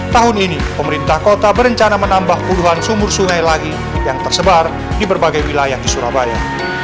tahun ini pemerintah kota berencana menambah puluhan sumur sungai lagi yang tersebar di berbagai wilayah di surabaya